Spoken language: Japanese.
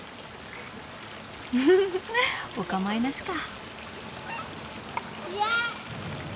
フフフお構いなしか。